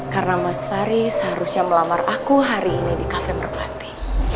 karena mas faris seharusnya melamar aku hari ini di cafe merpati